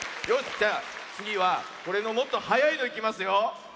よしじゃあつぎはこれのもっとはやいのいきますよ。